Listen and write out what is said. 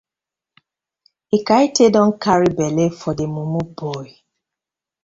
Ekaete don carry belle for dey mumu boy.